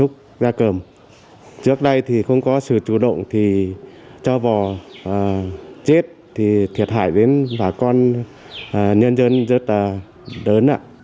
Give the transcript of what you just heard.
trước đây thì không có sự chủ động thì cho vò chết thì thiệt hại đến bà con nhân dân rất là đớn ạ